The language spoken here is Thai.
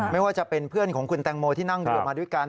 ไม่ว่าจะเป็นเพื่อนของคุณแตงโมที่นั่งเรือมาด้วยกัน